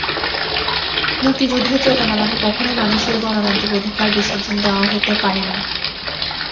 মুক্তিযুদ্ধের চেতনা মানে কখনোই মানুষের গণতান্ত্রিক অধিকার বিসর্জন দেওয়া হতে পারে না।